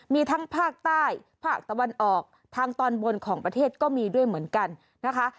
มีทั้งภาคใต้ภาคตะวันออกทางตอนบนของประเทศก็มีด้วยเหมือนกันนะคะ